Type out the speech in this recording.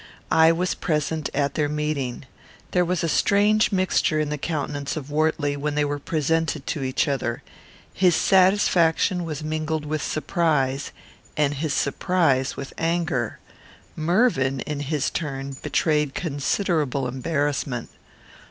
I was present at their meeting. There was a strange mixture in the countenance of Wortley when they were presented to each other. His satisfaction was mingled with surprise, and his surprise with anger. Mervyn, in his turn, betrayed considerable embarrassment.